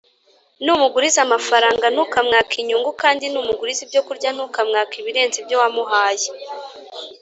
numuguriza amafaranga ntukamwake inyungu, kandi numuguriza ibyokurya ntukamwake ibirenze ibyo wamuhaye